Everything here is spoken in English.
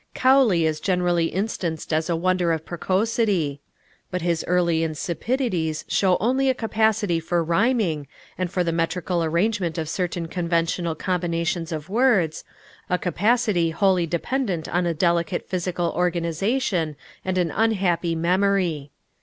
Cowley is generally instanced as a wonder of precocity. But his early insipidities show only a capacity for rhyming and for the metrical arrangement of certain conventional combinations of words, a capacity wholly dependent on a delicate physical organization, and an unhappy memory.